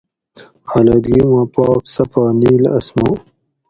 آلودگی ما پاک صفا نِیل آسمان